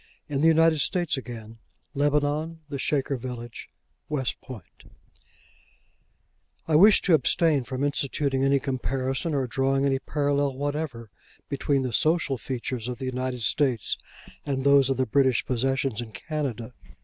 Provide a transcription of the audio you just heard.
IN THE UNITED STATES AGAIN; LEBANON; THE SHAKER VILLAGE; WEST POINT I WISH to abstain from instituting any comparison, or drawing any parallel whatever, between the social features of the United States and those of the British Possessions in Canada.